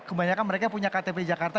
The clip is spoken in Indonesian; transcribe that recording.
kebanyakan mereka punya ktp jakarta